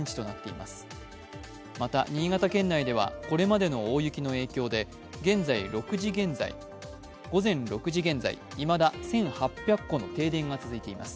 また、新潟県内ではこれまでの大雪の影響で午前６時現在、いまだ１８００戸の停電が続いています。